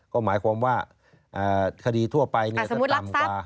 ก็หมายความว่าคดีทั่วไปถ้าต่ำกว่า